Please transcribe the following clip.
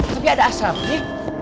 tapi ada asapnya